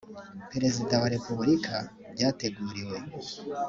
perezida wa repubulika byateguriwe